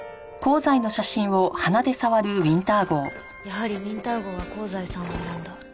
やはりウィンター号は香西さんを選んだ。